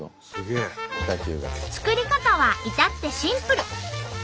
作り方は至ってシンプル。